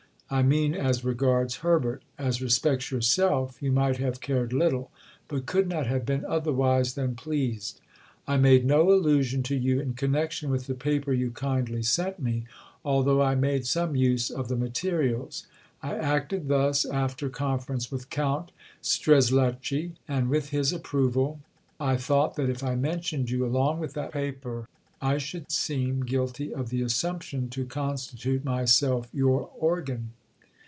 I mean as regards Herbert. As respects yourself, you might have cared little, but could not have been otherwise than pleased. I made no allusion to you in connection with the paper you kindly sent me, although I made some use of the materials. I acted thus after conference with Count Strzelechi, and with his approval. I thought that if I mentioned you along with that paper, I should seem guilty of the assumption to constitute myself your organ."